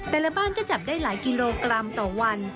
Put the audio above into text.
แต่ละบ้านก็จับได้หลายกิโลกรัมต่อวัน